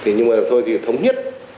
thế nhưng mà thôi thì thống nhất